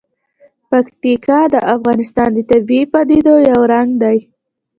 پکتیا د افغانستان د طبیعي پدیدو یو رنګ دی.